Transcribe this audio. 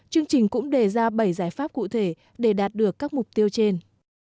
chương trình cũng đề ra bảy giải pháp cụ thể để đạt được các mục tiêu trên